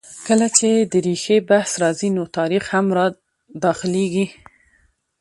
کله چې د ریښې بحث راځي؛ نو تاریخ هم را دا خلېږي.